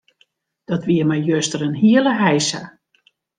Dat wie my juster in hiele heisa.